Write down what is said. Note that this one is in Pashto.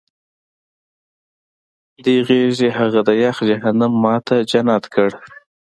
دې غېږې هغه د یخ جهنم ما ته جنت کړ